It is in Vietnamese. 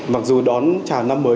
mặc dù đón chào năm mới